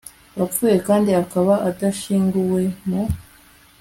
wapfuye kandi akaba adashyinguwe mu